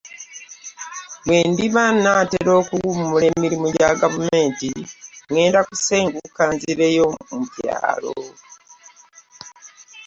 Bwendiba nateera okuwummula emirimu gya gavumenti ngenda ku senguka nzireyo mu kyalo.